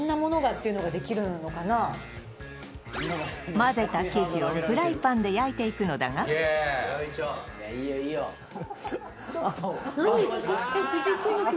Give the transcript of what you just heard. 混ぜた生地をフライパンで焼いていくのだが何？